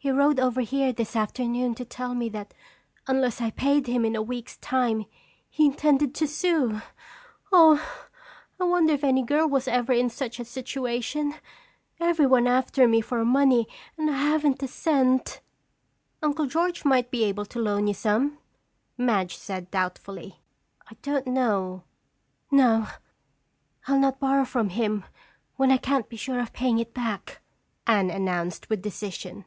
"He rowed over here this afternoon to tell me that unless I paid him in a week's time he intended to sue! Oh, I wonder if any girl was ever in such a situation? Everyone after me for money and I haven't a cent!" "Uncle George might be able to loan you some," Madge said doubtfully. "I don't know—" "No, I'll not borrow from him when I can't be sure of paying it back," Anne announced with decision.